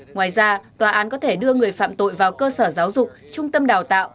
ngoài ra tòa án có thể đưa người phạm tội vào cơ sở giáo dục trung tâm đào tạo